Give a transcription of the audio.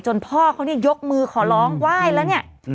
พ่อเขาเนี่ยยกมือขอร้องไหว้แล้วเนี่ย